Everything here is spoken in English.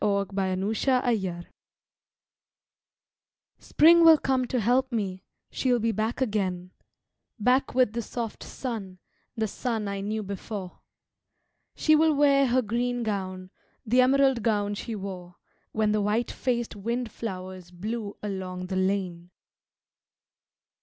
Spring will Come SPRING will come to help me: she'll be back again, Back with the soft sun, the sun I knew before. She will wear her green gown, the emerald gown she wore When the white faced windflowers blew along the lane.